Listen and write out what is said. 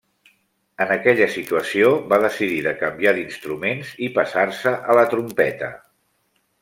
En aquella situació va decidir de canviar d'instruments i passar-se a la trompeta.